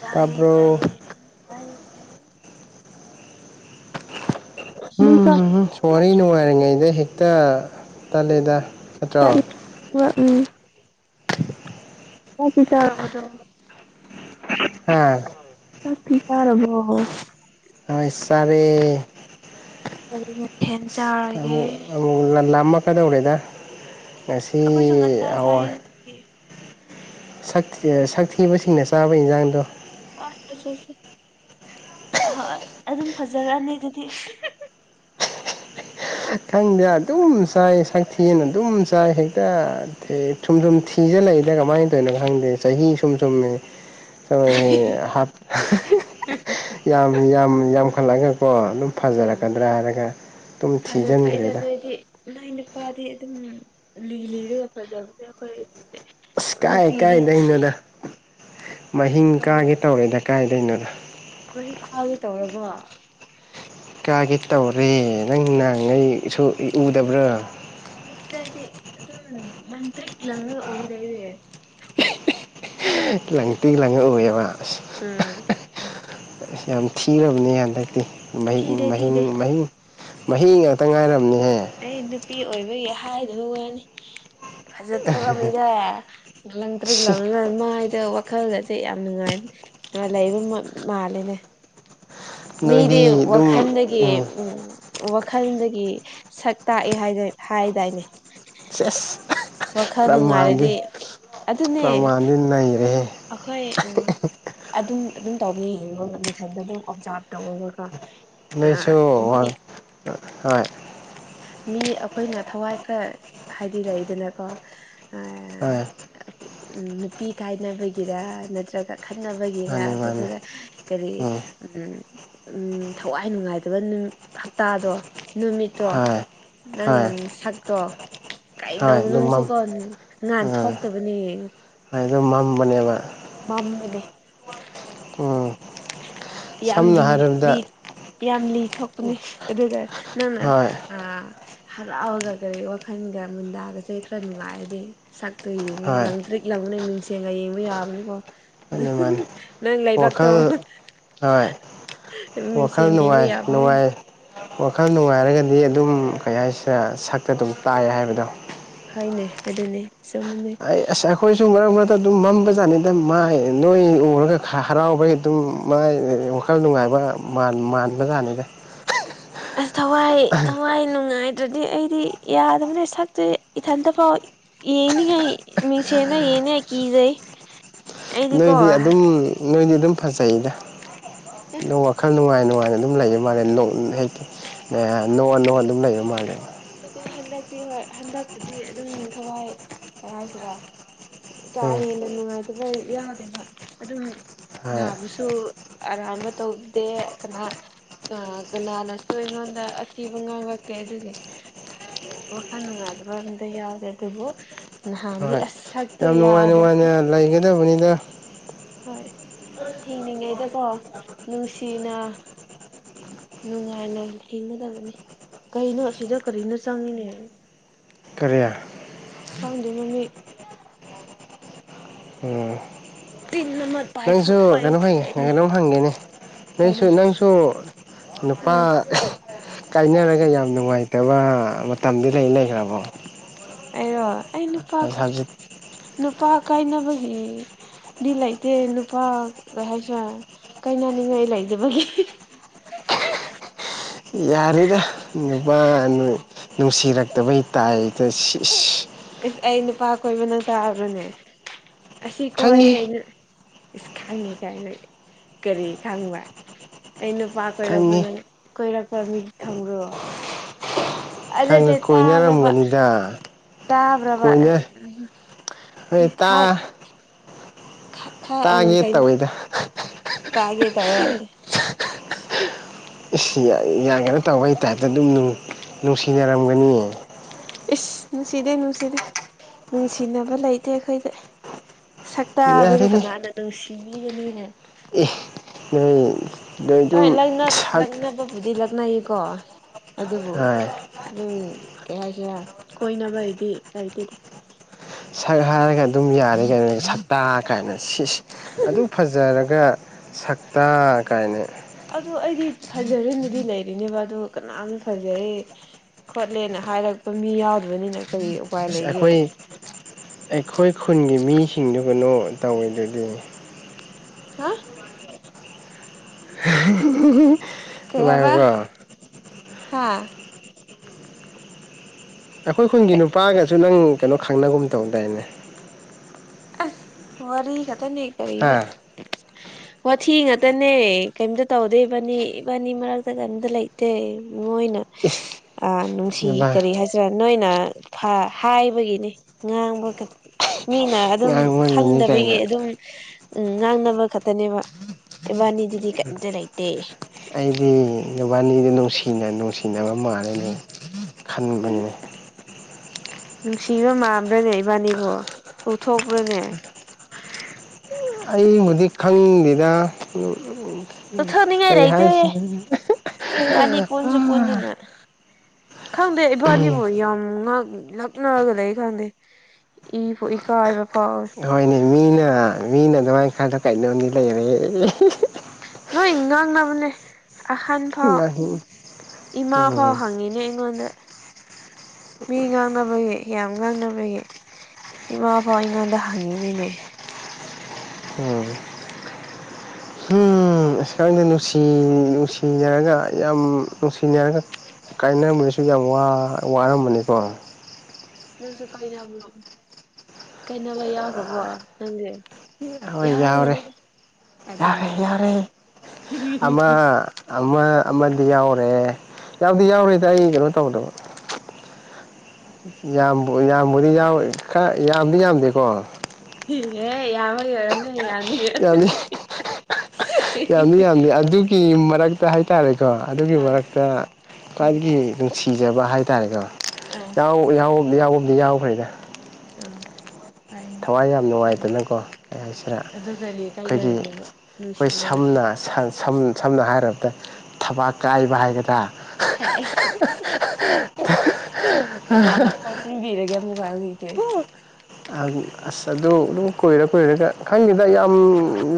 ꯇꯥꯌꯦ ꯇꯥꯕ꯭ꯔꯣ ꯇꯥꯏꯌꯦ ꯇꯥꯏꯌꯦ ꯇꯥꯌꯦ ꯅꯪ ꯆꯥꯛꯇꯤ ꯍꯨꯝꯍꯨ ꯁꯣ ꯆꯥꯔꯕꯣ ꯋꯥꯔꯤ ꯅꯨꯡꯉꯥꯏꯔꯤꯉꯩꯗ ꯍꯦꯛꯇ ꯇꯜꯂꯦꯗ ꯅꯠꯇ꯭ꯔꯣ ꯋꯥ ꯎꯝ ꯆꯥꯛꯇꯤ ꯆꯔꯕꯥꯗꯣ ꯍꯥ ꯆꯥꯛꯇꯤ ꯆꯥꯔꯕ꯭ꯔꯣ ꯍꯣꯏ ꯆꯥꯔꯦ [unintelligible] ꯍꯦꯟꯖꯥ ꯑꯃꯨꯛ ꯑꯃꯨꯛ ꯂꯃꯛꯀꯗꯧꯔꯦꯗ ꯉꯁꯤ ꯉꯟꯇꯥ ꯌꯥꯝ ꯆꯥꯏ ꯋꯥꯏ ꯉꯁꯤꯗꯤ ꯁꯛꯊꯤ ꯁꯛꯊꯤꯕꯁꯤꯡꯅ ꯆꯥꯕ ꯏꯟꯖꯥꯡꯗꯣ ꯑ ꯑ ꯑ ꯑ ꯑꯗꯨꯝ ꯐꯖꯔꯅꯤ ꯑꯗꯨꯗꯤ ꯈꯪꯗꯦ ꯑꯗꯨꯝ ꯆꯥꯏ ꯁꯛꯊꯤꯅ ꯑꯗꯨꯝ ꯆꯥꯏ ꯍꯦꯛꯇ ꯁꯨꯝ ꯁꯨꯝ ꯊꯤꯖꯤꯜꯂꯛꯏꯗ ꯀꯃꯥꯏ ꯇꯧꯔꯤꯅꯣ ꯈꯪꯗꯦ ꯆꯍꯤ ꯁꯨꯝ ꯁꯨꯝ ꯍꯣꯌꯦ ꯌꯥꯝ ꯌꯥꯝ ꯌꯥꯝꯈꯠꯂꯛ ꯑꯒꯥꯀꯣ ꯑꯗꯨꯝ ꯐꯥꯖꯔꯛ ꯀꯗ꯭ꯔꯥ ꯍꯥꯏꯔꯒ ꯑꯗꯨꯝ ꯐꯥꯖ ꯊꯣꯛꯏꯗ ꯊꯤꯖꯤꯟꯈ꯭ꯔꯦꯗ ꯅꯣꯏꯗꯤ ꯅꯣꯏ ꯅꯨꯄꯥꯗꯤ ꯑꯗꯨꯝ ꯂꯤ ꯂꯤꯔꯒ ꯐꯥꯖꯕꯅꯦ ꯑꯩꯈꯣꯏ ꯑꯁ ꯀꯥꯏ ꯅꯨꯄꯤꯗꯤ ꯌꯥꯗꯦ ꯀꯥꯏꯗꯩꯅꯣꯗ ꯃꯍꯤꯡ ꯀꯥꯒꯦ ꯇꯧꯔꯦꯗ ꯀꯥꯏꯗꯩꯅꯣꯗ ꯃꯍꯤꯡ ꯀꯥꯒꯦ ꯇꯧꯔꯕꯣ ꯀꯥꯒꯦ ꯇꯧꯔꯦ ꯅꯪ ꯅꯍꯥꯟꯉꯩꯁꯨ ꯎꯗꯕ꯭ꯔꯣ ꯎꯗ꯭ꯔꯤꯗ ꯑꯩꯗꯤ ꯑꯗꯨꯝ ꯂꯪꯇ꯭ꯔꯤꯛ ꯂꯪꯉꯥꯒ ꯎꯏꯗ ꯑꯩꯗꯤ ꯂꯪꯇ꯭ꯔꯤꯛ ꯂꯪꯉꯥ ꯑꯨꯏꯌꯦꯕ ꯑꯁ ꯎꯝ ꯌꯥꯝ ꯊꯤꯔꯕꯅꯦ ꯍꯟꯇꯥꯛꯇꯤ ꯃꯍꯤ ꯊꯤꯗꯦ ꯃꯍꯤ ꯊꯤꯗꯦ ꯃꯍꯤꯡ ꯃꯍꯤ ꯉꯥꯛꯇ ꯉꯥꯏꯔꯕꯅꯤꯍꯦ ꯑꯩ ꯅꯨꯄꯤ ꯑꯣꯏꯕꯒꯤ ꯍꯥꯏꯗꯕ ꯋꯥꯅꯤ ꯐꯥꯖ ꯊꯧꯔꯝꯃꯤꯗ ꯂꯪꯇ꯭ꯔꯤꯛ ꯁꯤ ꯂꯪꯂꯒ ꯃꯥꯗꯣ ꯑꯗꯣ ꯋꯥꯈꯜꯒꯥꯁꯦ ꯌꯥꯝ ꯅꯨꯡꯉꯥꯏꯅ ꯂꯩꯕ ꯃꯥꯜꯂꯦꯅꯦ ꯃꯤꯗꯤ ꯅꯣꯏꯗꯤ ꯑꯗꯨꯝ ꯋꯥꯈꯜꯗꯒꯤ ꯎꯝ ꯋꯥꯈꯜꯗꯒꯤ ꯁꯛ ꯇꯥꯛꯑꯦ ꯍꯥꯏꯗꯥꯏ ꯍꯥꯏꯗꯥꯏꯅꯦ ꯁꯦꯁ ꯋꯥꯈꯜ ꯄ꯭ꯔꯃꯥꯟꯗꯤ ꯅꯨꯡꯉꯥꯏꯔꯗꯤ ꯑꯗꯨꯅꯦ ꯄ꯭ꯔꯃꯥꯟꯗꯤ ꯅꯩꯔꯦꯍꯦ ꯑꯩꯈꯣꯏ ꯎꯝ ꯑꯗꯨꯝ ꯑꯗꯨꯝ ꯇꯧꯕꯅꯦ ꯌꯦꯡꯉꯣ ꯃꯇꯥꯟꯇꯥ ꯑꯗꯨꯝ ꯑꯣꯞꯖꯥꯔꯕ ꯇꯧꯑꯣꯕꯥꯀꯣ ꯅꯣꯏꯁꯨ ꯋꯥꯡꯇ ꯍꯣꯏ ꯃꯤ ꯑꯩꯈꯣꯏꯅ ꯊꯋꯥꯏ ꯈꯔ ꯍꯥꯏꯗꯤ ꯂꯩꯗꯅꯀꯣ ꯍꯣꯏ ꯎꯝ ꯅꯨꯄꯤ ꯀꯥꯏꯅꯕꯒꯤꯔ ꯅꯠꯇ꯭ꯔꯒ ꯈꯠꯅꯕꯒꯤꯔ ꯃꯥꯅꯤ ꯃꯥꯅꯤ ꯑꯗꯨꯗꯨꯗ ꯀꯔꯤ ꯎꯝ ꯎꯝ ꯊꯋꯥꯏ ꯅꯨꯡꯉꯥꯏꯇꯕ ꯅꯨ ꯍꯞꯇꯥꯗꯣ ꯅꯨꯃꯤꯠꯇꯣ ꯍꯣꯏ ꯅꯪ ꯍꯣꯏ ꯁꯛꯇꯣ ꯍꯣꯏ ꯀꯩꯗꯧ ꯑꯗꯨꯝ ꯃꯝ ꯅꯨꯡꯁꯨꯀꯣ ꯉꯥꯟ ꯑꯥ ꯊꯣꯛꯇꯕꯅꯦ ꯌꯦꯡꯉꯣ ꯍꯣꯏ ꯑꯗꯨꯝ ꯃꯝꯕꯅꯦꯕ ꯄꯥꯝꯕꯅꯦ ꯎꯝ ꯌꯥꯝ ꯁꯝꯅ ꯂꯤ ꯍꯥꯏꯔꯕꯗ ꯂꯤ ꯌꯥꯝ ꯂꯤ ꯊꯣꯛꯄꯅꯤ ꯑꯗꯨꯒ ꯅꯪꯅ ꯍꯣꯏ ꯑ ꯍꯔꯥꯎꯔꯥꯒ ꯀꯔꯤ ꯋꯥꯈꯜꯒ ꯃꯨꯟꯗꯥꯒꯁꯦ ꯈꯔ ꯅꯨꯡꯉꯥꯏꯔꯗꯤ ꯁꯛꯇꯣ ꯌꯦꯡꯉꯣ ꯍꯣꯏ ꯂꯪ ꯇ꯭ꯔꯤꯛ ꯂꯪꯕꯅꯦ ꯃꯤꯡꯁꯦꯟꯒ ꯌꯦꯡꯕ ꯌꯥꯕꯅꯤꯀꯣ ꯃꯥꯅꯤ ꯃꯥꯅꯤ ꯅꯪ ꯂꯩꯕꯛ ꯇꯣ ꯋꯥꯈꯜ ꯍꯣꯏ ꯋꯥꯈꯜ ꯃꯤꯡꯁꯦꯟ ꯌꯦꯡꯕ ꯅꯨꯡꯉꯥꯏ ꯌꯥꯕꯅꯦ ꯅꯨꯡꯉꯥꯏ ꯋꯥꯈꯜ ꯅꯨꯡꯉꯥꯏꯔꯒꯗꯤ ꯑꯗꯨꯝ ꯀꯩ ꯍꯥꯏꯁꯤꯔꯦ ꯁꯛꯇ ꯑꯗꯨꯝ ꯇꯥꯏ ꯍꯥꯏꯕꯗꯣ ꯍꯥꯏꯅꯦ ꯑꯗꯨꯅꯦ ꯆꯨꯝꯃꯤꯅꯦ ꯑꯩ ꯑꯁ ꯑꯩꯈꯣꯏꯁꯨ ꯃꯔꯛ ꯃꯔꯛꯇ ꯑꯗꯨꯝ ꯃꯝꯕ ꯖꯥꯠꯅꯤꯗ ꯃꯥꯏ ꯅꯣꯏ ꯎꯔꯒ ꯈꯔꯥ ꯍꯔꯥꯎꯕꯩ ꯑꯗꯨꯝ ꯃꯥꯏ ꯋꯥꯈꯜ ꯅꯨꯡꯉꯥꯏꯕ ꯃꯥꯟ ꯃꯟꯕꯖꯥꯠꯅꯤꯗ ꯑꯁ ꯊꯋꯥꯏ ꯊꯋꯥꯏ ꯅꯨꯡꯉꯥꯏꯇ꯭ꯔꯗꯤ ꯑꯩꯗꯤ ꯌꯥꯗꯕꯅꯦ ꯁꯛꯇꯨ ꯏꯊꯟꯇꯐꯥꯎ ꯌꯦꯡꯅꯤꯡꯉꯥꯏ ꯃꯤꯡꯁꯦꯟꯗ ꯌꯦꯡꯅꯤꯡꯉꯥꯏ ꯀꯤꯖꯩ ꯑꯩꯗꯤꯀꯣ ꯅꯣꯏꯗꯤ ꯑꯁ ꯑꯗꯨꯝ ꯅꯣꯏꯗꯤ ꯑꯗꯨꯝ ꯐꯖꯩꯗ [unintelligible] ꯈꯔ ꯅꯨꯡꯉꯥꯏ ꯅꯨꯡꯉꯥꯏꯅ ꯑꯗꯨꯝ ꯂꯩꯕ ꯃꯥꯜꯂꯦ ꯅꯣꯛ ꯍꯥꯏ [unintelligible] ꯅꯣꯛꯑ ꯅꯣꯛꯑ ꯑꯗꯨꯝ ꯂꯩꯕ ꯃꯥꯜꯂꯦ ꯑꯗꯨꯗꯤ ꯍꯟꯗꯛꯇꯤ ꯍꯣꯏ ꯍꯟꯗꯛꯄꯨꯗꯤ ꯑꯗꯨꯝ ꯊꯋꯥꯏ ꯀꯩ ꯍꯥꯏꯁꯤꯔꯥ ꯀꯥ ꯎꯝ ꯍꯦꯟꯅ ꯅꯨꯡꯉꯥꯏꯇꯕ ꯌꯥꯎꯗꯦꯕ ꯑꯗꯨꯝ ꯍꯣꯏ ꯅꯥꯕꯁꯨ ꯑꯔꯥꯟꯕ ꯇꯧꯗꯦ ꯀꯅꯥ ꯑꯥ ꯀꯅꯥꯅꯁꯨ ꯑꯩꯉꯣꯟꯗ ꯑꯊꯤꯕ ꯉꯥꯡꯂꯛꯇꯦ ꯑꯗꯨꯒꯤ ꯋꯥꯈꯜ ꯅꯨꯡꯉꯥꯏꯗꯕ ꯑꯝꯇ ꯌꯥꯎꯗꯦ ꯑꯗꯨꯕꯨ ꯅꯍꯥꯟꯗꯤ ꯍꯣꯏ ꯑꯁ ꯁꯛ ꯌꯥꯝ ꯅꯨꯡꯉꯥꯏ ꯅꯨꯡꯉꯥꯏꯅ ꯂꯩꯒꯗꯕꯅꯤꯗ ꯍꯣꯏ ꯍꯤꯡꯂꯤꯉꯩꯗꯀꯣ ꯅꯨꯡꯁꯤꯅ ꯅꯨꯡꯉꯥꯏꯅ ꯍꯤꯡꯒꯗꯕꯅꯤ ꯀꯩꯅꯣ ꯑꯁꯤꯗ ꯀꯔꯤꯅꯣ ꯆꯪꯉꯤꯅꯦ ꯀꯔꯤ ꯈꯪꯗꯦ ꯃꯃꯤ ꯑꯣ ꯇꯤꯟ ꯅꯝꯃꯠ ꯅꯪꯁꯨ ꯀꯩꯅꯣꯝ ꯍꯥꯏꯒꯦ ꯀꯩꯅꯣꯝ ꯍꯪꯒꯦꯅꯦ ꯀꯩꯅꯣ ꯅꯩꯁꯨ ꯅꯪꯁꯨ ꯅꯨꯄꯥ ꯎꯝ ꯀꯥꯏꯅꯔꯒ ꯌꯥꯝ ꯅꯨꯡꯉꯥꯏꯇꯕ ꯃꯇꯝꯗꯤ ꯂꯩ ꯂꯩꯈ꯭ꯔꯕꯣ ꯑꯩꯔꯣ ꯑꯩ ꯅꯨꯄꯥ ꯑꯁ ꯍꯧꯖꯤꯛ ꯅꯨꯄꯥ ꯀꯥꯏꯅꯕꯒꯤ ꯗꯤ ꯂꯩꯇꯦ ꯅꯨꯄꯥ ꯀꯩ ꯍꯥꯏꯁꯤꯔꯥ ꯀꯥꯏꯅꯅꯤꯡꯉꯥꯏ ꯂꯩꯇꯕꯒꯤ ꯌꯥꯔꯦꯗꯥ ꯅꯨꯄꯥ ꯅꯣꯏ ꯅꯨꯡꯁꯤꯔꯛꯇꯕꯩ ꯇꯥꯏꯗ ꯁꯤꯏꯁ ꯏꯁ ꯑꯩ ꯅꯨꯄꯥ ꯀꯣꯏꯕ ꯅꯪ ꯇꯥꯕ꯭ꯔꯥꯅꯦ ꯑꯁꯤ ꯀꯣꯏꯌꯦ ꯈꯪꯉꯤ ꯑꯩꯅ ꯏꯁ ꯈꯪꯉꯤ ꯀꯥꯏꯅ ꯀꯔꯤ ꯈꯪꯕ ꯑꯩ ꯅꯨꯄꯥ ꯀꯣꯏꯔꯛꯄ꯭ꯔꯥ ꯈꯪꯉꯤ ꯅꯪ ꯀꯣꯏꯔꯛꯄꯥ ꯃꯤ ꯈꯪꯕ꯭ꯔꯣ ꯑꯥ ꯅꯠꯇꯦ ꯈꯪꯉ ꯇꯥꯕ꯭ꯔꯥꯕꯥ ꯀꯣꯏꯅꯔꯝꯒꯅꯤꯗ ꯇꯥꯕ꯭ꯔꯥꯕꯥ ꯀꯣꯏꯅ ꯍꯣꯏ ꯇꯥ [unintelligible] ꯈꯥ ꯈꯥꯏ ꯑꯪ ꯇꯥꯒꯦ ꯀꯩ ꯇꯧꯋꯦꯗ ꯇꯥꯒꯦ ꯇꯧꯋꯦ ꯑꯩ ꯏꯁ ꯌꯥ ꯌꯥꯝ ꯀꯩꯅꯣ ꯇꯧꯕꯩ ꯇꯥꯏꯞꯇ ꯑꯗꯨꯝ ꯅꯨꯡ ꯅꯨꯡꯁꯤꯅꯔꯝꯒꯅꯤꯌꯦ ꯏꯁ ꯅꯨꯡꯁꯤꯗꯦ ꯅꯨꯡꯁꯤꯗꯦ ꯅꯨꯡꯁꯤꯅꯕ ꯂꯩꯇꯦ ꯑꯩꯈꯣꯏꯗꯤ ꯁꯛꯇꯥꯗꯨꯒ ꯌꯥꯔꯦꯅꯦ ꯀꯅꯥꯅ ꯅꯨꯡꯁꯤꯕꯤꯒꯅꯤꯅꯦ ꯑꯦ ꯅꯣꯏ ꯅꯣꯏꯗꯨꯝ ꯁꯛ ꯑꯩꯕꯨꯗꯤ ꯂꯛꯅꯩꯀꯣ ꯑꯗꯨꯕꯨ ꯑꯗꯨꯝ ꯀꯩ ꯍꯥꯏꯁꯤꯔꯥ ꯀꯣꯏꯅꯕ ꯍꯥꯏꯗꯤ ꯂꯩꯇꯦꯗ ꯁꯛ ꯍꯥꯏꯔꯒ ꯑꯗꯨꯝ ꯌꯥꯔꯦ ꯀꯩꯅꯣ ꯁꯛꯇꯥ ꯀꯥꯏꯅ ꯁꯤꯁ ꯑꯗꯨꯛ ꯐꯖꯔꯒ ꯁꯛꯇꯥ ꯀꯥꯏꯅ ꯑꯗꯨ ꯑꯩꯗꯤ ꯐꯖꯔꯦꯅꯗꯤ ꯂꯩꯔꯤꯅꯦꯕ ꯑꯗꯨ ꯀꯅꯥꯝ ꯐꯖꯩ ꯈꯣꯠꯂꯦꯅ ꯍꯥꯏꯔꯛꯄ ꯃꯤ ꯌꯥꯎꯗꯕꯅꯤꯅ ꯀꯔꯤ ꯎꯄꯥꯏ ꯑꯁ ꯂꯩꯒꯦ ꯑꯩꯈꯣꯏ ꯑꯩꯈꯣꯏ ꯈꯨꯟꯒꯤ ꯃꯤꯁꯤꯡꯗꯨ ꯀꯩꯅꯣ ꯇꯧꯋꯤꯗꯨꯗꯤ ꯍꯥ [unintelligible] ꯀꯩ ꯍꯥꯏꯕ ꯍꯥ ꯑꯩꯈꯣꯏ ꯈꯨꯟꯒꯤ ꯅꯨꯄꯥꯒꯁꯨ ꯅꯪ ꯀꯩꯅꯣ ꯈꯪꯅꯒꯨꯝ ꯇꯧꯗꯥꯏꯅꯦ ꯑꯁ ꯋꯥꯔꯤ ꯈꯠꯇꯅꯤ ꯀꯔꯤꯔꯥ [inaudible] ꯋꯥꯊꯤ ꯉꯥꯛꯇꯅꯦ ꯀꯩꯝꯇ ꯇꯧꯗꯦ ꯏꯕꯥꯅꯤ ꯏꯕꯥꯅꯤ ꯃꯔꯛꯇ ꯀꯩꯝꯇ ꯂꯩ ꯇ‌ꯦ ꯃꯣꯏꯅ ꯏꯁ ꯑ ꯅꯨꯡꯁꯤ ꯅꯕꯥꯏ ꯀꯔꯤ ꯍꯥꯏꯁꯤꯔꯥ ꯅꯣꯏꯅ ꯐ ꯍꯥꯏꯕꯒꯤꯅꯤ ꯅ‌ꯣꯡꯕꯨ ꯀꯩ ꯃꯤꯅ ꯑꯗꯨꯝ ꯉꯥꯡꯕꯒꯤꯅꯤ ꯈꯪꯗꯕꯒꯤ ꯀꯥꯏꯅ ꯑꯗꯨꯝ ꯎꯝ ꯉꯥꯡꯅꯕ ꯈꯛꯇꯅꯦꯕ ꯏꯕꯥꯅꯤꯗꯨꯗꯤ ꯀꯩꯝꯇ ꯂꯩꯇꯦ ꯑꯩꯗꯤ ꯅꯨꯕꯥꯅꯤꯗꯨ ꯅꯨꯡꯁꯤꯅ ꯅꯨꯡꯁꯤꯅꯕ ꯃꯥꯜꯂꯤꯅꯤ ꯈꯟꯕꯅꯤ ꯅꯨꯡꯁꯤꯕ ꯃꯥꯟꯕ꯭ꯔꯅꯦ ꯏꯕꯥꯅꯤꯕꯨ ꯎꯊꯣꯛꯄ꯭ꯔꯅꯦ ꯑꯌ‌ꯦꯡꯕꯗꯤ ꯈꯪꯉꯤꯅꯤꯗꯥ [unintelligible] ꯆꯠꯊ‌ꯣꯛꯅꯤꯡꯉꯥꯏ ꯂꯩꯇ‌ꯦꯍ‌ꯦ ꯏꯕꯥꯅꯤ ꯄꯨꯟꯁꯨ ꯄꯨꯟꯗꯅ ꯈꯪꯗꯦ ꯏꯕꯥꯅꯤꯕꯨ ꯌꯥꯝ ꯉꯛ ꯂꯛꯅꯔꯒ ꯂꯩ ꯈꯪꯗꯦ ꯏꯕꯨ ꯏꯀꯥꯏꯕ ꯐꯥꯎꯋꯦ ꯍꯣꯏꯅꯦ ꯃꯤꯅ ꯑ ꯃꯤꯅ ꯑꯗꯨꯃꯥꯏ ꯈꯜꯗꯣ ꯀꯩꯅ‌ꯣꯝꯗꯤ ꯂꯩꯔꯦ ꯅ‌ꯣꯏ ꯉꯥꯡꯅꯕꯅꯦ ꯑꯍꯟ ꯐꯥꯎ ꯎꯝ ꯏꯃꯥ ꯐꯥꯎ ꯍꯪꯉꯤꯅꯦ ꯑꯩꯉꯣꯟꯗ ꯃꯤ ꯉꯥꯡꯅꯕꯩ ꯌꯥꯝ ꯉꯥꯡꯅꯕꯩ ꯏꯃꯥꯐꯥꯎ ꯑꯩꯉꯣꯟꯗ ꯍꯪꯉꯤꯅꯤꯅꯦ [unintelligible] ꯎꯝ ꯑꯁ ꯈꯪꯗ‌ꯦ ꯅꯨꯡꯁꯤ ꯅꯨꯡꯁꯤꯅꯔꯒ ꯌꯥꯝ ꯅꯨꯡꯁꯤꯅꯔꯒ ꯀꯥꯏꯅꯕꯗꯁꯨ ꯌꯥꯝ ꯋꯥ ꯋꯥꯔꯝꯃꯅꯤꯀꯣ ꯅꯪꯁꯨ ꯀꯥꯏꯅꯕ꯭ꯔ‌ꯣ ꯀꯩꯅꯕ ꯌꯥꯎꯈ꯭ꯔꯕꯣ ꯅꯪꯗꯤ ꯍꯣꯏ ꯌꯥꯎꯔꯦ ꯌꯥꯎꯔꯝꯒꯅꯤꯗ ꯑꯗꯨꯅꯦ ꯌꯥꯎꯔꯦ ꯌꯥꯎꯔꯦ ꯑꯃ ꯑꯃ ꯑꯃꯗꯤ ꯌꯥꯎꯔꯦ ꯌꯥꯎꯗꯤ ꯌꯥꯎꯔꯦꯗ ꯑꯩ ꯀꯩꯅꯣ ꯇꯧꯗꯕ ꯌꯥꯝꯕꯨ ꯌꯥꯝꯕꯨꯗꯤ ꯌꯥꯎꯋ‌ꯦ ꯈꯔ ꯌꯥꯝꯗꯤ ꯌꯥꯝꯗꯦꯀꯣ ꯍꯦ ꯌꯥꯝꯕꯒꯤ ꯑꯣꯏꯔꯝꯅꯤ ꯌꯥꯅꯤꯌ‌ꯦ ꯌꯥꯝꯂꯤ ꯌꯥꯝꯂꯤ ꯑꯗꯨꯒꯤ ꯃꯔꯛ ꯇ ꯍꯥꯏꯇꯥꯔꯦꯀꯣ ꯑꯗꯨꯒꯤ ꯑꯥ ꯃꯔꯛꯇ ꯈ꯭ꯋꯥꯏꯗꯒꯤ ꯅꯨꯡꯁꯤꯖꯕ ꯍꯥꯏꯇꯥꯔꯦꯀꯣ ꯎꯝ ꯌꯥꯎ ꯌꯥꯎ ꯌꯥꯎꯕꯗꯤ ꯌꯥꯎꯈ꯭ꯔꯦꯗ ꯑꯥ ꯐꯩꯅꯦ ꯊꯋꯥꯏ ꯌꯥꯝ ꯅꯨꯡꯉꯥꯏꯇꯅꯀꯣ ꯀꯩ ꯍꯥꯏꯁꯤꯔꯥ ꯀꯔꯤ ꯀꯥꯏꯅꯔꯤꯅ‌ꯣꯕ ꯅꯨꯡꯁꯤ ꯁꯝꯅꯥ ꯁꯪ ꯁꯝ ꯁꯝꯅ ꯍꯥꯏꯔꯕꯗ ꯊꯕꯥꯛ ꯀꯥꯏꯕ ꯍꯥꯏꯒꯗ꯭ꯔꯥ ꯍꯥꯏꯁ ꯀꯅꯥꯅꯣ ꯍꯥꯞꯆꯤꯟꯕꯤꯔꯒꯦ ꯑꯃꯨꯛ [unintelligible] ꯑꯪ ꯑꯁ ꯑꯗꯨ ꯑꯗꯨꯝ ꯀꯨꯏꯔ ꯀꯨꯏꯔꯒ ꯈꯪꯗ‌ꯦꯗ ꯌꯥꯝ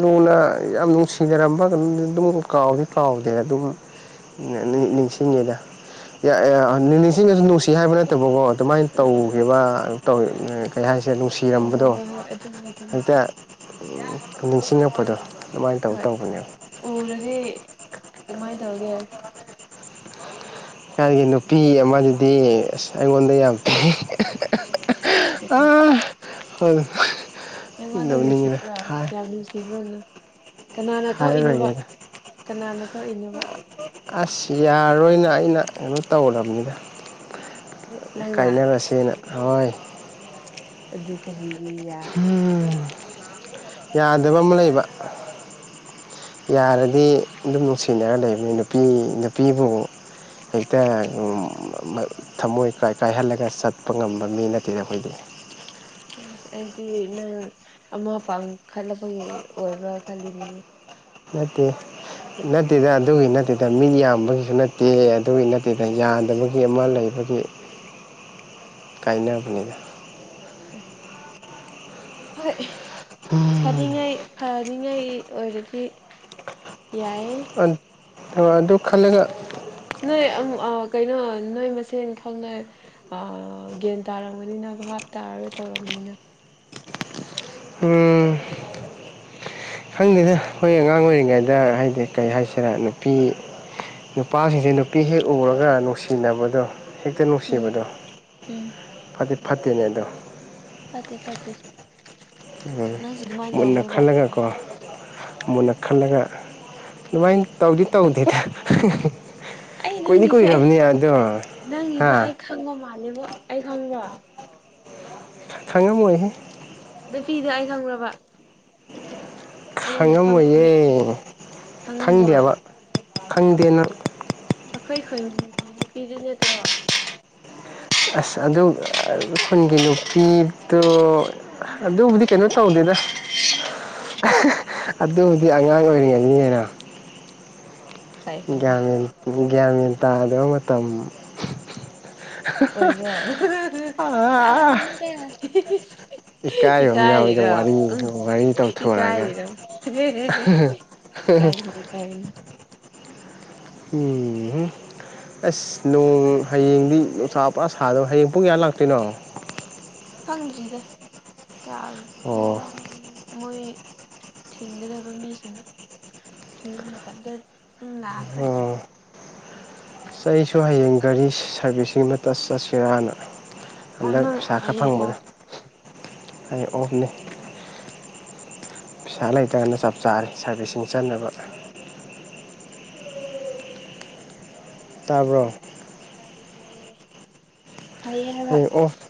ꯂꯨꯅ ꯌꯥꯝ ꯅꯨꯡꯁꯤ ꯖꯔꯝꯕ ꯑꯗꯨꯝ ꯀꯥꯎꯗꯤ ꯀꯥꯎꯗꯦ ꯑꯗꯨꯝ ꯅꯅ ꯅꯤꯡ ꯅꯤꯡꯁꯤꯡꯉꯦꯗ ꯅꯤꯡꯁꯤꯡꯉꯁꯨ ꯅꯨꯡꯁꯤ ꯍꯥꯏꯕ ꯅꯠꯇꯕꯀꯣ ꯑꯗꯨꯃꯥꯏꯅ ꯇꯧꯈꯤꯕ ꯇꯧ ꯀꯩ ꯍꯥꯏꯁꯤꯔ ꯍꯣꯏ ꯍꯣꯏ ꯅꯨꯡꯁꯤꯔꯝꯕꯗꯣ ꯍꯣꯏ ꯍꯣꯏ ꯑꯗꯨꯅꯤ ꯑꯗꯨꯅꯤ ꯍꯦꯛꯇ ꯅꯤꯡꯁꯤꯡꯉꯛꯄꯗꯣ ꯑꯗꯨꯃꯥꯏ ꯇꯧ ꯍꯣꯏ ꯇꯧꯕꯅꯦꯕ ꯎꯔꯗꯤ ꯀꯃꯥꯏ ꯇꯧꯒꯦ ꯏꯆꯟꯒꯤ ꯅꯨꯄꯤ ꯑꯃꯗꯨꯗꯤ ꯑꯁ ꯑꯩꯉꯣꯟꯗ ꯌꯥꯝ [unintelligible] ꯍ‌ꯣ ꯑꯩꯉꯣꯟꯗ ꯅꯨꯡꯁꯤꯕ꯭ꯔꯥ ꯀꯌꯥꯝ ꯅꯨꯡ ꯐꯤꯕ꯭ꯔꯗꯨ ꯀꯅꯥꯅ ꯇꯣꯛꯏꯅꯣꯕ ꯍꯥꯏꯔꯔꯣꯏꯒꯦꯗ ꯀꯅꯥꯅ ꯇꯣꯛꯏꯅꯣꯕ ꯑꯁ ꯌꯥꯔꯣꯏꯅ ꯑꯩꯅ ꯀꯩꯅꯣ ꯇꯧꯔꯕꯅꯤꯗ ꯅꯪꯅ ꯀꯥꯏꯅꯔꯁꯦꯅ ꯍꯣꯏ ꯑꯗꯨ ꯀꯔꯤꯒꯤ ꯌꯥ ꯍꯨꯝ ꯌꯥꯗꯕ ꯑꯃ ꯂꯩꯕ ꯌꯥꯔꯗꯤ ꯑꯗꯨꯝ ꯅꯨꯡꯁꯤꯅꯔ ꯂꯩꯕꯅꯤ ꯅꯨꯄꯤ ꯅꯨꯄꯤꯕꯨ ꯍꯦꯛꯇ [unintelligible] ꯊꯃꯣꯏ ꯀꯥꯏ ꯀꯥꯏꯍꯜꯂꯒ ꯆꯠꯄ ꯉꯝꯕ ꯃꯤ ꯅꯠꯇꯦꯗ ꯑꯩꯈꯣꯏꯗꯤ ꯑꯁ ꯑꯩꯗꯤ ꯅꯪ ꯑꯃ ꯄꯥꯥꯡꯈꯠꯂꯛꯄꯒꯤ ꯑꯣꯏꯕ꯭ꯔꯥ ꯈꯜꯂꯤꯅꯤꯅꯦ ꯅꯠꯇꯦ ꯅꯠꯇꯦꯗ ꯑꯗꯨꯒꯤ ꯅꯠꯇꯦꯗ ꯃꯤꯠ ꯌꯥꯝꯕꯒꯤꯁꯨ ꯅꯠꯇꯦ ꯑꯗꯨꯒꯤ ꯅꯠꯇꯦꯗ ꯌꯥꯗꯕꯒꯤ ꯑꯃ ꯂꯩ ꯑꯗꯨꯏ ꯀꯥꯏꯅꯕꯅꯤꯗ ꯍꯣꯏ ꯐꯔꯤꯉꯩ ꯐꯔꯤꯉꯩ ꯑꯣꯏꯔꯗꯤ ꯌꯥꯏ ꯑꯟ ꯑ ꯑꯗꯨ ꯈꯜꯂꯒ ꯅꯣꯏ ꯑꯝ ꯑ ꯀꯩꯅꯣ ꯅꯣꯏ ꯃꯁꯦꯟ ꯈꯪꯅꯩ ꯑ ꯒ꯭ꯌꯥꯟ ꯇꯥꯔꯝꯒꯅꯤꯅ ꯚꯥꯞ ꯇꯥꯔꯒ ꯇꯧꯔꯕꯅꯤꯅ [unintelligible] ꯈꯪꯗꯦꯗ ꯑꯩꯈꯣꯏ ꯑꯉꯥꯡ ꯑꯣꯏꯔꯤꯉꯩꯗ ꯍꯥꯏꯗꯤ ꯀꯩ ꯍꯥꯏꯁꯤꯔꯥ ꯅꯨꯄꯤ ꯅꯨꯄꯥꯁꯤꯡꯁꯦ ꯅꯨꯄꯤ ꯍꯦꯛ ꯎꯔꯒ ꯅꯨꯡꯁꯤꯅꯕꯗꯣ ꯍꯦꯛꯇ ꯎꯝ ꯅꯨꯡꯁꯤꯕꯗꯣ ꯎꯝ ꯐꯗꯤ ꯐꯠꯇꯦꯅꯦ ꯑꯗꯣ ꯐꯠꯇꯦ ꯐꯠꯇꯦ ꯎꯝ ꯅꯪꯁꯨ ꯑꯗꯨꯃꯥꯏꯅ ꯃꯨꯟꯅ ꯇꯧꯅꯨꯕ ꯈꯜꯂꯒ ꯀꯣ ꯃꯨꯟꯅ ꯈꯜꯂꯒ ꯑꯗꯨꯃꯥꯏꯟ ꯇꯧꯗꯤ ꯇꯧꯗꯦꯗ ꯑꯩ ꯀꯨꯏꯗꯤ ꯅꯪꯒꯤꯁꯦ ꯑꯩ ꯀꯨꯏꯔꯕꯅꯤ ꯑꯗꯣ ꯍꯥ ꯅꯪꯒꯤꯗꯣ ꯑꯩ ꯈꯪꯕ ꯃꯥꯜꯂꯤꯕꯣ ꯑꯩ ꯈꯪꯕ꯭ꯔꯣ ꯈꯪ ꯈꯪꯉꯝꯃꯣꯏꯍꯦ ꯅꯨꯄꯤꯗꯤ ꯑꯩ ꯈꯪꯕ꯭ꯔꯕ ꯑꯩꯅ ꯈꯪꯕ ꯈꯪꯉꯝꯃꯣꯏꯌꯦ ꯃꯤ ꯈꯪꯗꯦ ꯈꯪꯉꯝꯃꯣꯏ ꯍꯥꯏꯕ ꯈꯪꯗꯦ ꯅꯪ ꯑꯈꯣꯏ ꯈꯨꯟꯒꯤ ꯅꯨꯄꯤꯗꯨ ꯅꯠꯇꯔꯣ ꯑꯁ ꯑꯗꯨ ꯑ ꯈꯨꯟꯒꯤ ꯅꯨꯄꯤꯗꯨ ꯑꯗꯨꯕꯨꯗꯤ ꯀꯩꯅꯣ ꯇꯧꯗꯦꯗ ꯑꯗꯨꯕꯨꯗꯤ ꯑꯉꯥꯡ ꯑꯣꯏꯔꯤꯉꯩꯅꯤ ꯀꯩꯅꯣ ꯐꯩ ꯐꯩ ꯐꯩ ꯒ꯭ꯌꯥꯟ ꯃꯦꯟ ꯒ꯭ꯌꯥꯟ ꯃꯦꯟ ꯇꯥꯗꯕ ꯃꯇꯝ ꯑꯣꯏꯕ꯭ꯔꯣ ꯑꯥ ꯇꯥꯔꯝꯒꯅꯤꯗ ꯏꯀꯥꯏꯕ ꯑꯝ ꯌꯥꯎꯋꯤꯗ ꯏꯀꯥꯏꯔꯤꯔꯣ ꯋꯥꯔꯤ ꯎꯝ ꯋꯥꯔꯤ ꯇꯧꯊꯣꯔꯒ ꯏꯀꯥꯏꯔꯤꯔꯣ ꯏꯀꯥꯏꯒꯅꯨ [unintelligible] [unintelligible] ꯎꯝꯍꯨꯝ ꯑꯁ ꯅꯣꯡ ꯍꯌꯦꯡꯗꯤ ꯅꯨꯡꯁꯥ ꯄꯨꯔꯥ ꯁꯥꯗꯕ ꯍꯌꯦꯡ ꯄꯨꯡ ꯀꯌꯥ ꯂꯥꯛꯇꯣꯏꯅꯣ ꯈꯪꯗ꯭ꯔꯤꯗ ꯀꯌꯥꯒ ꯑꯣ ꯃꯣꯏ ꯊꯤꯡꯒꯗꯕ ꯃꯤꯁꯤꯡ ꯊꯤꯡꯕ ꯃꯇꯝꯗ ꯎꯝ ꯂꯥꯛꯈ꯭ꯔꯦ ꯑꯣ ꯑꯩꯁꯨ ꯍꯌꯦꯡ ꯒꯥꯔꯤ ꯁꯥꯔꯚꯤꯁꯁꯤꯡ ꯑꯃꯇ ꯆꯠꯁꯤꯔꯅ ꯑꯣ ꯍꯟꯗꯛ ꯅꯪ ꯄꯩꯁꯥ ꯈꯔ ꯍꯌꯦꯡ ꯑꯣ ꯐꯪꯕꯗ ꯑꯩ ꯑꯣꯍꯅꯦ ꯄꯩꯁꯥ ꯂꯩꯇꯒꯅ ꯆꯞ ꯆꯥꯔ ꯁꯥꯔꯚꯤꯁꯁꯤꯡ ꯆꯠꯅꯕ ꯇꯥꯕ꯭ꯔꯣ ꯇꯥꯏꯌꯦ ꯇꯥꯏꯌꯦ ꯐꯩꯌꯦ ꯍꯥꯏꯕ ꯑꯩꯌꯦꯡ ꯑꯣꯐ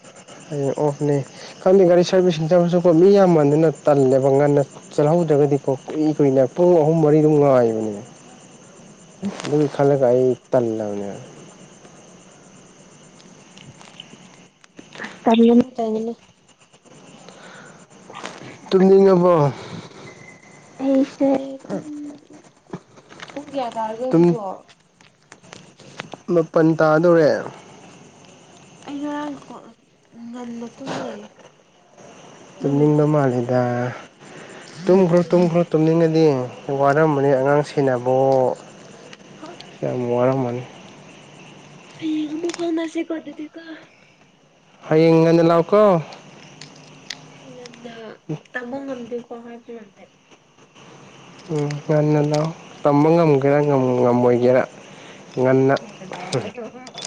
ꯑꯩꯌꯦꯡ ꯑꯣꯐꯅꯦ ꯈꯪꯗꯦ ꯒꯥꯔꯤ ꯁꯥꯔꯕꯤꯁꯤꯡ ꯇꯧꯔꯁꯨꯀꯣ ꯃꯤ ꯌꯥꯝꯃꯟꯗꯅ ꯇꯜꯂꯦꯕ ꯉꯟꯅ ꯆꯠꯍꯧꯗ꯭ꯔꯒꯗꯤꯀꯣ ꯀꯨꯏ ꯀꯨꯏꯅ ꯄꯨꯡ ꯑꯍꯨꯝ ꯃꯔꯤꯗꯨ ꯉꯥꯏꯕꯅꯦ ꯑꯗꯨꯝ ꯈꯦ ꯀꯥꯏ ꯏ ꯇꯜꯂꯅꯤ ꯇꯔꯣ ꯇꯨꯝꯅꯤꯡꯉꯕꯣ ꯑꯩꯁꯦꯨꯡ ꯄꯨꯡ ꯀꯌꯥ ꯇꯥꯔꯒꯦ ꯍꯧꯖꯤꯛꯕꯣ ꯃꯥꯄꯜ ꯇꯥꯗꯣꯔꯦ ꯑꯩ ꯉꯔꯥꯡ ꯉꯟꯅ ꯇꯨꯝꯃꯦ ꯅꯪꯅ ꯇꯨꯝꯅꯤꯡꯕ ꯃꯦꯁꯦꯁ ꯃꯥꯜꯂꯤꯗ ꯇꯨꯝꯈ꯭ꯔꯣ ꯇꯨꯝꯅꯤꯡꯗꯦ ꯇꯨꯝꯈ꯭ꯔꯣ ꯇꯨꯝꯅꯤꯡꯉꯗꯤ ꯋꯥꯔꯝꯃꯅꯤ ꯑꯉꯥꯡ ꯁꯦꯟꯅꯕꯋꯣ ꯍ ꯌꯥꯝ ꯋꯥꯔꯝꯃꯅꯤ ꯍꯌꯦꯡ ꯑꯃꯨꯛ ꯀꯣꯅꯁꯦꯀꯣ ꯑꯗꯨꯗꯤ ꯀꯣ ꯍꯌꯦꯡ ꯉꯟꯅ ꯂꯥꯎꯀꯣ ꯑꯩ ꯉꯟꯅ ꯇꯝꯕ ꯉꯝꯗꯦꯀꯣ ꯍꯥꯏꯕꯤꯔꯝꯂꯦ [unintelligible] ꯎꯝ ꯉꯟ ꯉꯟꯅꯥ ꯇꯝꯕ ꯉꯝꯒꯦꯔꯥ ꯉꯝ ꯉꯝꯃꯣꯏꯒꯦꯔꯥ ꯉꯟ ꯍꯜꯂꯣ ꯑꯩꯎꯍꯨ [unintelligible]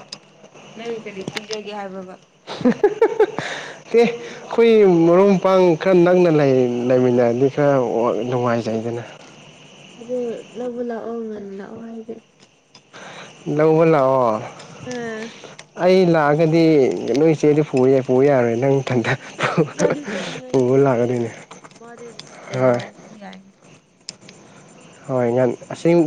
ꯅꯪ ꯀꯔꯤ ꯄꯤꯖꯒꯦ ꯍꯥꯏꯕꯕꯥ [unintelligible] ꯑꯩꯈꯣꯏ ꯃꯔꯨꯞ ꯃꯄꯥꯡ ꯈꯔ ꯅꯛꯅ ꯂꯩ ꯂꯩꯃꯤꯟꯅꯔꯗꯤ ꯈꯔ ꯋ ꯅꯨꯡꯉꯥꯏꯖꯩꯗꯅ ꯑꯗꯨ ꯂꯧꯕ ꯂꯥꯛꯑꯣ ꯉꯟꯅ ꯂꯥꯛꯑꯣ ꯍꯥꯏꯗꯤ ꯂꯧꯕ ꯂꯥꯛꯑꯣ ꯑꯦ ꯑꯩ ꯂꯥꯛꯑꯒꯗꯤ ꯅꯣꯏ ꯆꯦꯗꯤ ꯐꯨꯏꯌꯦ ꯄꯨꯕ ꯌꯥꯔꯣꯏ ꯅꯪ ꯅꯊꯟꯗ ꯏꯕꯥꯟꯅꯤ ꯆꯠꯅꯤꯡꯉꯩꯅꯤꯅꯦ ꯀꯔꯤꯔꯥ ꯃꯥꯗꯤ ꯍꯣꯏ ꯂꯩꯍꯧꯔꯁꯨ ꯌꯥꯏꯅꯦ ꯍꯣꯏ ꯅꯪ ꯑꯁꯤꯡ